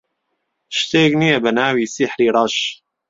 شتێک نییە بە ناوی سیحری ڕەش.